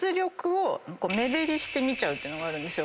ていうのがあるんですよ。